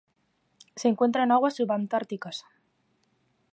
Se encuentra en aguas subantárticas.